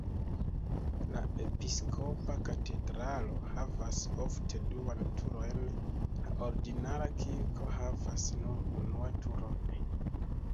La episkopa katedralo havas ofte duan turojn, la ordinara kirko havas nur unua turon.